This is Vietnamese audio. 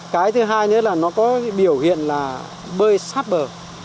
cái thứ hai nữa là nó có biểu hiện là bơi sát bờ